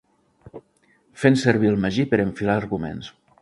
Fent servir el magí per enfilar arguments.